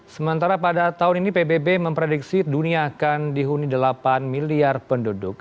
sementara pada tahun ini pbb memprediksi dunia akan dihuni delapan miliar penduduk